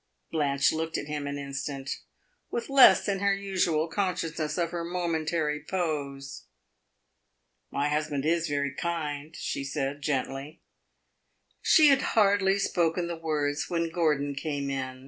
Blanche looked at him an instant, with less than her usual consciousness of her momentary pose. "My husband is very kind," she said gently. She had hardly spoken the words when Gordon came in.